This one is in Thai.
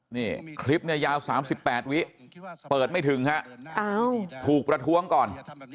นี่คลิปเนี่ยยาว๓๘วิเปิดไม่ถึงฮะถูกประท้วงก่อน